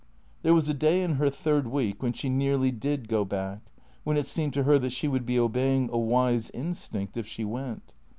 There was a day in her third week when she nearly did go back, when it seemed to her that she would be obeying a wise instinct if she went.